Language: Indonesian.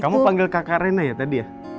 kamu panggil kakak rena ya tadi ya